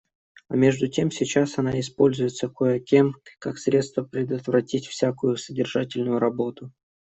А между тем сейчас она используется кое-кем как средство предотвратить всякую содержательную работу.